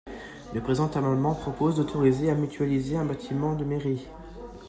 Le présent amendement propose d’autoriser à mutualiser un bâtiment de mairie.